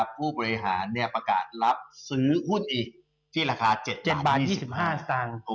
ผู้บริหารประกาศรับซื้อหุ้นอีกที่ราคา๗๗บาท๒๕สตางค์